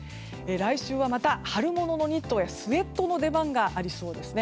来週はまた春もののニットやスウェットの出番がありそうですね。